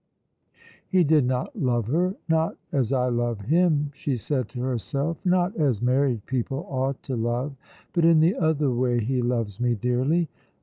He did not love her. "Not as I love him," she said to herself, "not as married people ought to love; but in the other way he loves me dearly."